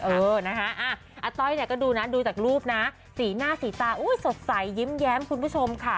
เออนะคะอาต้อยเนี่ยก็ดูนะดูจากรูปนะสีหน้าสีตาอุ้ยสดใสยิ้มแย้มคุณผู้ชมค่ะ